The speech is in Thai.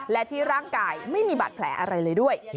และที่ร่างกายไม่มีบาดแผลอะไรเลยด้วย